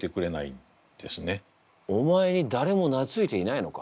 お前にだれもなついていないのか？